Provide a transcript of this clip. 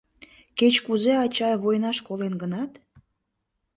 Кеч-кузе ачай войнаш колен гынат